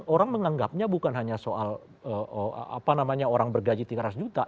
orang menganggapnya bukan hanya soal apa namanya orang bergaji tiga ratus juta